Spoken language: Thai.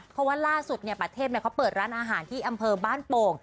เพราะว่าล่าสุดประเทพเขาเปิดร้านอาหารที่อำเภอบ้านโป่ง